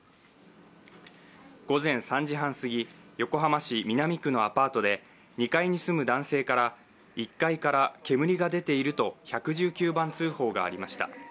午前３時半すぎ、横浜市南区のアパートで２階に住む男性から１階から煙が出ていると１１９番通報がありました。